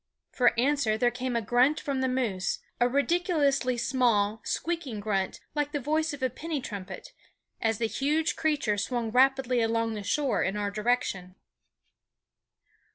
For answer there came a grunt from the moose a ridiculously small, squeaking grunt, like the voice of a penny trumpet as the huge creature swung rapidly along the shore in our direction.